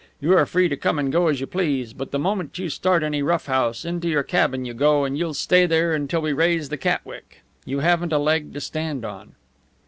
You are free to come and go as you please; but the moment you start any rough house, into your cabin you go, and you'll stay there until we raise the Catwick. You haven't a leg to stand on."